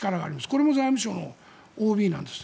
これも財務省のＯＢなんです。